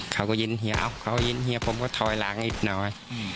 เขาก็ยินเฮียเขายินเฮียผมก็ถอยหลังอีกหน่อย